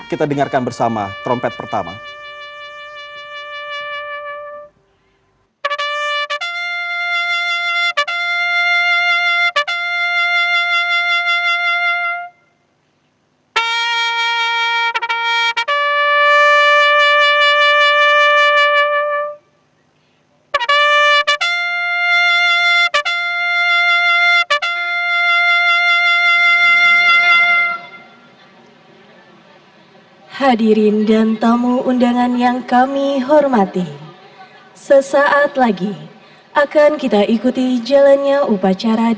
ibu sri mulyani yang sudah terlihat hadir